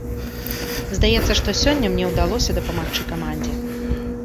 Здаецца, што сёння мне ўдалося дапамагчы камандзе.